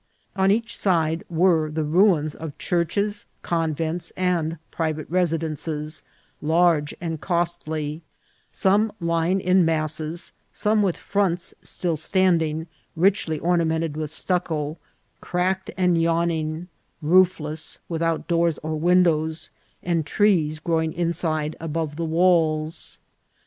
On each side were the ruins of churches, convents, and private residences, large and costly, some lying in masses, some with fironts still standing, richly orna mented with stucco, cracked and yawning, roofless, without doors or windows, and trees growing inside above the walls.